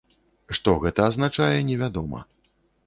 Што гэта азначае, невядома.